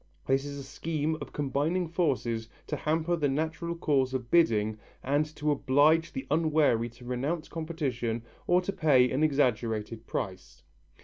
This is a scheme of combined forces to hamper the natural course of bidding and to oblige the unwary to renounce competition or to pay an exaggerated price.